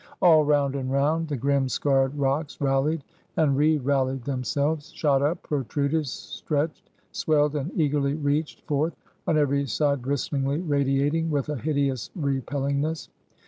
All round and round, the grim scarred rocks rallied and re rallied themselves; shot up, protruded, stretched, swelled, and eagerly reached forth; on every side bristlingly radiating with a hideous repellingness.